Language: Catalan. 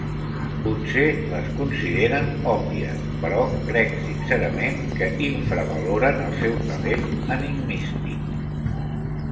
Potser les consideren òbvies, però crec sincerament que infravaloren el seu talent enigmístic.